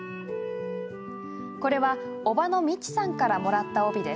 これは叔母の道さんからもらった帯。